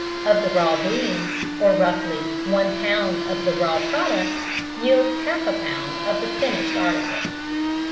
of the raw beans, or roughly, one pound of the raw product yields half a pound of the finished article.